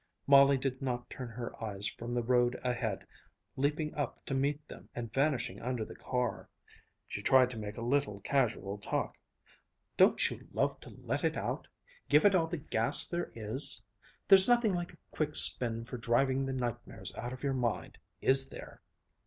Molly did not turn her eyes from the road ahead, leaping up to meet them, and vanishing under the car. She tried to make a little casual talk: "Don't you love to let it out, give it all the gas there is?" "There's nothing like a quick spin for driving the nightmares out of your mind, is there?"